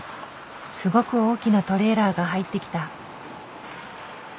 すごく大きなトレーラーが入ってきた。